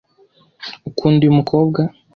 Ukunda uyu mukobwa?